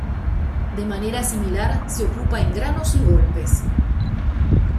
De manera similar se ocupa en granos y golpes.